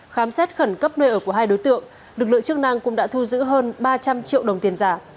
khám xét khẩn cấp nơi ở của hai đối tượng lực lượng chức năng cũng đã thu giữ hơn ba trăm linh triệu đồng tiền giả